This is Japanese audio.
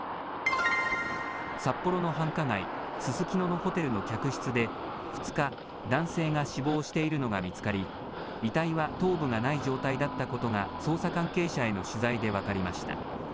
札幌の繁華街、ススキノのホテルの客室で２日、男性が死亡しているのが見つかり、遺体は頭部がない状態だったことが、捜査関係者への取材で分かりました。